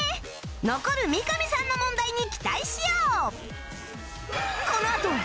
残る三上さんの問題に期待しよう！